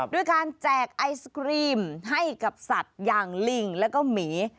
ด้วยการแจกไอศครีมให้กับสัตว์อย่างลิงแล้วก็หมี